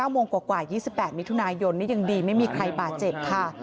โมงกว่า๒๘มิถุนายนนี่ยังดีไม่มีใครบาดเจ็บค่ะ